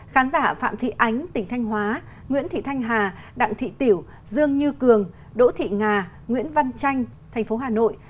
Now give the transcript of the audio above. khán giả phạm thị ánh tỉnh thanh hóa nguyễn thị thanh hà đặng thị tiểu dương như cường đỗ thị ngà nguyễn văn chanh tỉnh hà nội